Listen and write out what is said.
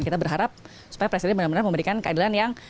kita berharap supaya presiden benar benar memberikan keadilan yang